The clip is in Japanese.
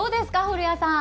古谷さん。